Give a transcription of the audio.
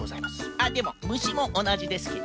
あっでもむしもおなじですけど。